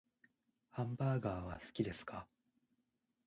ハンバーガーは好きですか？